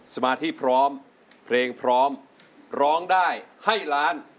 สมาธิพร้อมเพลงพร้อมร้องได้ให้ล้าน